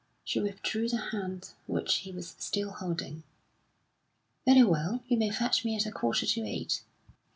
She withdrew the hand which he was still holding. "Very well. You may fetch me at a quarter to eight."